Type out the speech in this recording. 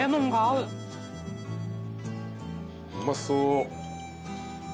うまそう。